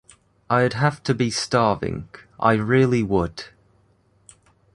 I'd have to be starving, I really would.